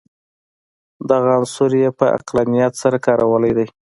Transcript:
دغه عنصر یې په عقلانیت سره کارولی دی.